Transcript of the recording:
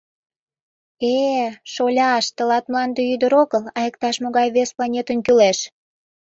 Э-э, шоляш, тылат мланде ӱдыр огыл, а иктаж-могай вес планетын кӱлеш!